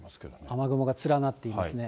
雨雲が連なっていますね。